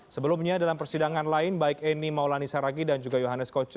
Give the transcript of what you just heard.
sebelumnya dalam persidangan lain baik eni maulani saragi dan juga johannes koco